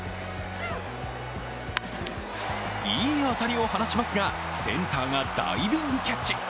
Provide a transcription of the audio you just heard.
いい当たりを放ちますが、センターがダイビングキャッチ。